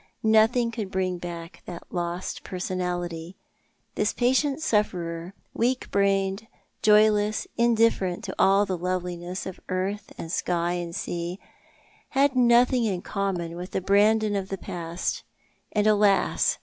Nothing could bring back that lost personality. This patient sufferer, weak brained, joyless, indifferent to all the loveliness of earth and sky and sea, had nothing in common with the Brandon of the past; and alas!